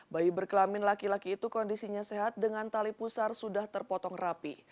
bayi berkelamin laki laki itu kondisinya sehat dengan tali pusar sudah terpotong rapi